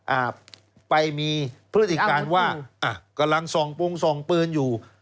อ่าไปมีพฤติการว่าอ่ะกำลังส่องโปรงส่องปืนอยู่